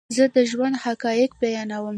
زه دژوند حقایق بیانوم